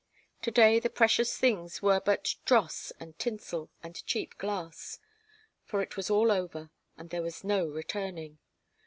To day the precious things were but dross and tinsel and cheap glass. For it was all over, and there was no returning.